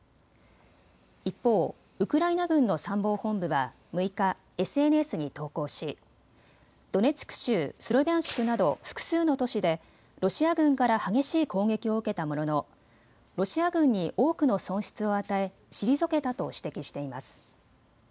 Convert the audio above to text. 一方、ウクライナ軍の参謀本部は６日、ＳＮＳに投稿しドネツク州スロビャンシクなど複数の都市でロシア軍から激しい攻撃を受けたもののロシア軍に多くの損失を与え退けたと指摘しています。